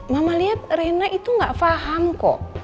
mama lihat rena itu gak paham kok